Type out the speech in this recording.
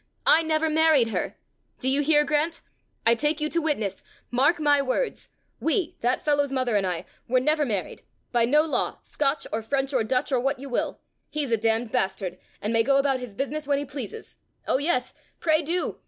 I never married her! Do you hear, Grant? I take you to witness; mark my words: we, that fellow's mother and I, were never married by no law, Scotch, or French, or Dutch, or what you will! He's a damned bastard, and may go about his business when he pleases. Oh, yes! pray do!